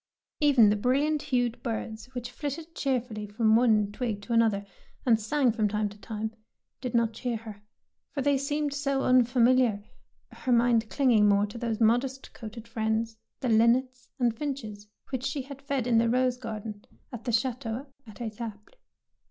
Even the brilliant hued birds which flitted cheerfully from one twig to an other, and sang from time to time, did not cheer her, for they seemed so un familiar, her mind clinging more to those modest coated friends, the linnets and flnches, which she had fed in the rose garden at the chateau at Etaples.